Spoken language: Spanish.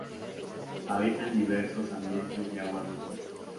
Habita en diversos ambientes de agua dulce.